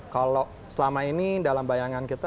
kalau selama ini dalam bayangan kita